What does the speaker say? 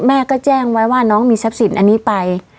แม่ก็แจ้งไว้ว่าน้องมีทรัพย์สินอันนี้ไป